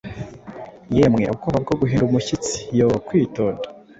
Yemwe ubwoba bwo guhinda umushyitsi! Yoo kwitonda